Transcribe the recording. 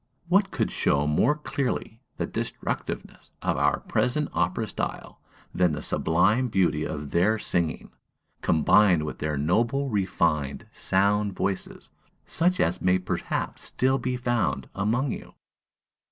What could show more clearly the destructiveness of our present opera style than the sublime beauty of their singing, combined with their noble, refined, sound voices, such as may perhaps still be found among you?